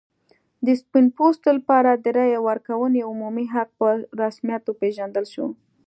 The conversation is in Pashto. د سپین پوستو لپاره د رایې ورکونې عمومي حق په رسمیت وپېژندل شو.